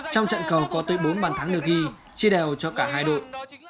trong trận cầu có tới bốn bàn thắng được ghi chia đều cho cả hai đội